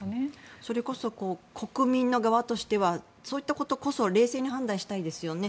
それこそ国民の側としてはそういったことこそ冷静に判断したいですよね。